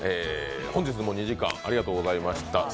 本日も２時間ありがとうございました。